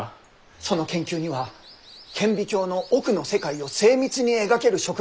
その研究には顕微鏡の奥の世界を精密に描ける植物画家が必要です。